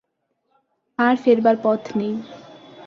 আর ফেরবার পথ নেই।